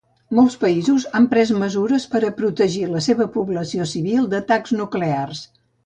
Molts països han pres mesures per a protegir a la seva població civil d'atacs nuclears.